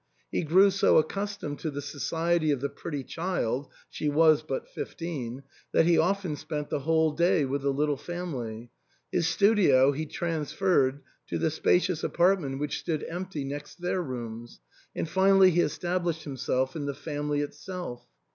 He grew so accus tomed to the society of the pretty child (she was but fifteen), that he often spent the whole day with the little family ; his studio he transferred to the spacious apartment which stood empty next their rooms ; and finally he established himself in the family itself.